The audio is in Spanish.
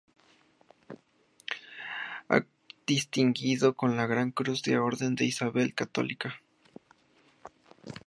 Ha sido distinguido con la Gran Cruz de la Orden de Isabel la Católica.